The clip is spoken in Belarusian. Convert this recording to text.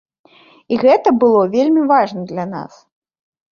І гэта было вельмі важна для нас.